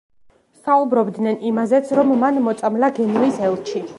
საუბრობდნენ იმაზეც, რომ მან მოწამლა გენუის ელჩი.